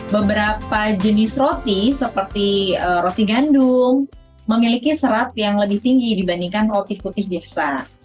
beberapa jenis roti seperti roti gandum memiliki serat yang lebih tinggi dibandingkan roti putih biasa